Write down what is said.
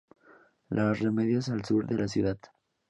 Los Remedios al sur de la ciudad.